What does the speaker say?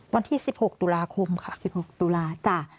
วันที่๑๖ตุลาคมค่ะ๑๖ตุลาจ้ะ